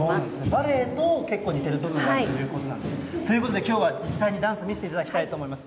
バレエと結構似てる部分があるということなんです。ということで、きょうは実際にダンス、見せていただきたいと思います。